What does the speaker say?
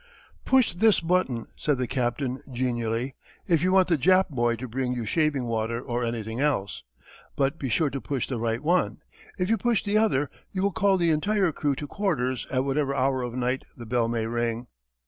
"Push this button," said the captain genially, "if you want the Jap boy to bring you shaving water or anything else. But be sure to push the right one. If you push the other you will call the entire crew to quarters at whatever hour of night the bell may ring."